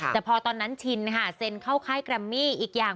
แต่พอตอนนั้นชินค่ะเซ็นเข้าค่ายแกรมมี่อีกอย่าง